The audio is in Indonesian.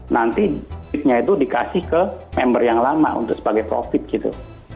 nanti liftnya itu dikasih ke member yang lama untuk sebagai profit gitu